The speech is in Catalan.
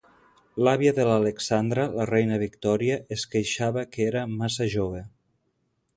L'àvia de l'Alexandra, la reina Victòria, es queixava que era massa jove.